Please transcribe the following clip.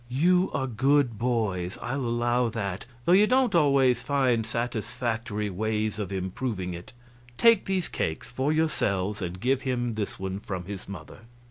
You are good boys, I'll allow that, though you don't always find satisfactory ways of improving it. Take these cakes for yourselves and give him this one, from his mother."